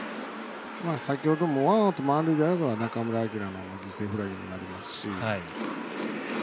先ほどもワンアウト、満塁で中村晃の犠牲フライになりますし。